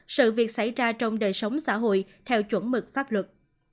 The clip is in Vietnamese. sự việc xảy ra trong đời sống xã hội theo chuẩn mực pháp luật